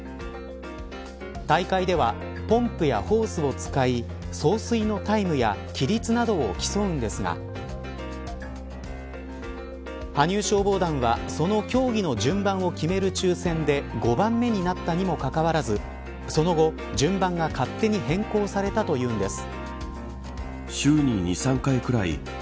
大会ではポンプやホースを使い送水のタイムや規律などを競うんですが羽生消防団はその競技の順番を決める抽選で５番目になったにもかかわらずその後、順番が勝手に変更されたというんです。